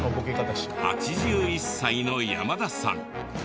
８１歳の山田さん。